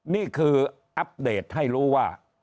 นี่คืออัปเดตให้รู้ว่า